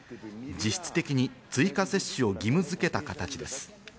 実質的に追加接種を義務づけた形です。